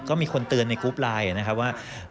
ก็มีคนเตือนในกรุ๊ปไลน์นะครับว่า